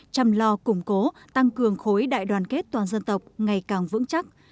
chăm lo củng cố tăng cường khối đại đoàn kết toàn dân tộc ngày càng vững chắc